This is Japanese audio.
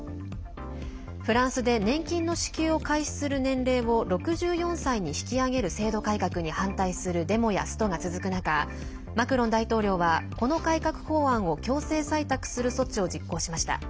フランスで年金の支給を開始する年齢を６４歳に引き上げる制度改革に反対するデモやストが続く中マクロン大統領はこの改革法案を強制採択する措置を実行しました。